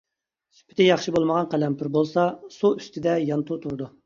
سۈپىتى ياخشى بولمىغان قەلەمپۇر بولسا، سۇ ئۈستىدە يانتۇ تۇرىدۇ.